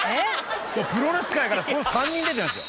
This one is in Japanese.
プロレス界からこの３人出てるんですよ。